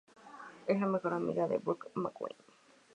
Es la mejor amiga de Brooke McQueen.